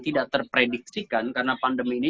tidak terprediksikan karena pandemi ini